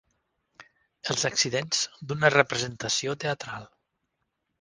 Els accidents d'una representació teatral.